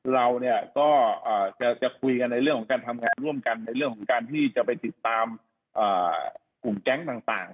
เราก็จะคุยกันในเรื่องของการทำงานร่วมกันในเรื่องของการที่จะไปติดตามกลุ่มแก๊งต่าง